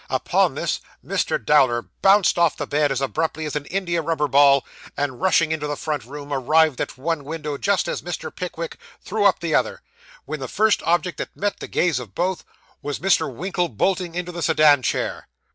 Upon this, Mr. Dowler bounced off the bed as abruptly as an India rubber ball, and rushing into the front room, arrived at one window just as Mr. Pickwick threw up the other, when the first object that met the gaze of both, was Mr. Winkle bolting into the sedan chair.